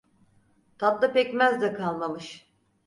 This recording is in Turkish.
Tatlı pekmez de kalmamış.